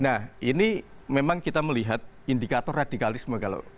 nah ini memang kita melihat indikator radikalisme